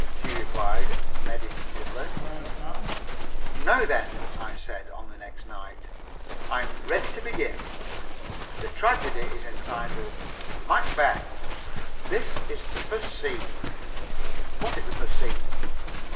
she replied, meditatively. "Now then," I said, on the next night, "I am ready to begin. The tragedy is entitled 'Macbeth.' This is the first scene." "What is the first scene?"